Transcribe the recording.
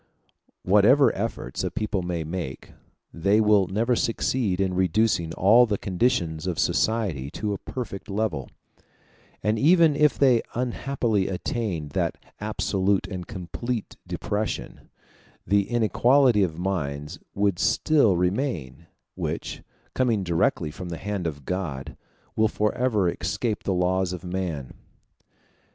Whatever efforts a people may make, they will never succeed in reducing all the conditions of society to a perfect level; and even if they unhappily attained that absolute and complete depression, the inequality of minds would still remain, which, coming directly from the hand of God, will forever escape the laws of man.